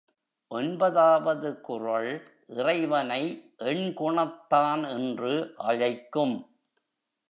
ஒன்பதாவது குறள் இறைவனை எண்குணத்தான் என்று அழைக்கும்.